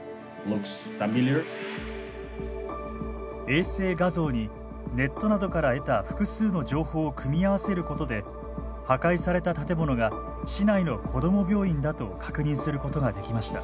衛星画像にネットなどから得た複数の情報を組み合わせることで破壊された建物が市内の子ども病院だと確認することができました。